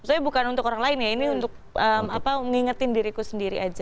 maksudnya bukan untuk orang lain ya ini untuk ngingetin diriku sendiri aja